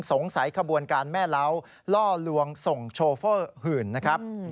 ขบวนการแม่เล้าล่อลวงส่งโชเฟอร์หื่นนะครับ